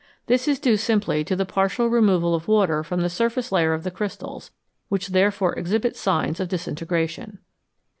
This is due simply to the partial removal of water from the surface layer of the crystals, which therefore exhibit signs of disintegration.